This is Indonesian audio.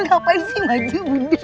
ngapain sih maju mundur